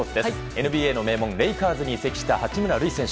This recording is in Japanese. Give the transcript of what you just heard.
ＮＢＡの名門レイカーズに移籍した八村塁選手。